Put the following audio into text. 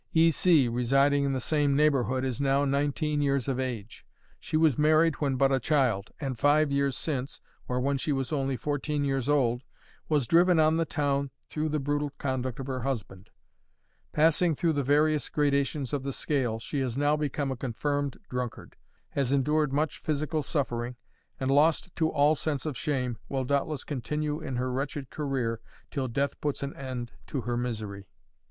E. C., residing in the same neighborhood, is now nineteen years of age. She was married when but a child, and, five years since, or when she was only fourteen years old, was driven on the town through the brutal conduct of her husband. Passing through the various gradations of the scale, she has now become a confirmed drunkard; has endured much physical suffering; and, lost to all sense of shame, will doubtless continue in her wretched career till death puts an end to her misery.